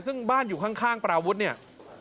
ซึ่งบ้านอยู่ข้างปราวุฒิเนี่ย